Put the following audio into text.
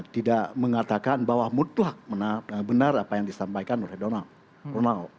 tidak mengatakan bahwa mutlak benar apa yang disampaikan oleh donald